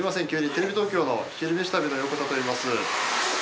テレビ東京の「昼めし旅」の横田といいます。